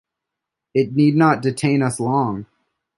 It need not detain us long.